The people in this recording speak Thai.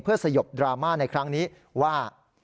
เพื่อสยบดราม่าในครั้งนี้ว่า